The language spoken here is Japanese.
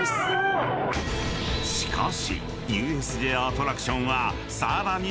［しかし］